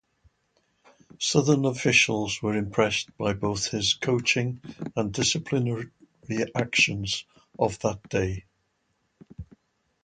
Southern officials were impressed by both his coaching and disciplinary actions of that day.